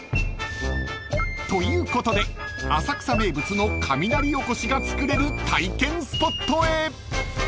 ［ということで浅草名物の雷おこしが作れる体験スポットへ］